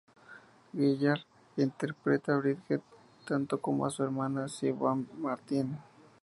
Gellar interpreta a Bridget, tanto como a su hermana Siobhan Martin.